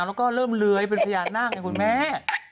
แล้วก็เริ่มเรวยเป็นทะยาน่าไงคุณแม่